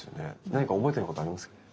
何か覚えてることありますかね？